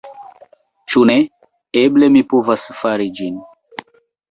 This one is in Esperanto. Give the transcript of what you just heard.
Ĉu ne? Eble mi povas fari ĝin.